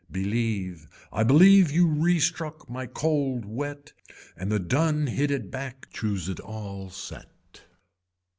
Believe, I believe you restruck my cold wet and the dun hit it back choose it set.